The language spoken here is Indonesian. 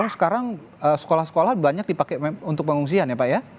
sekarang sekolah sekolah banyak dipakai untuk pengungsian ya pak ya